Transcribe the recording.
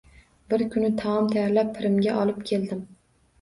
Bir kuni taom tayyorlab pirimga olib keldim.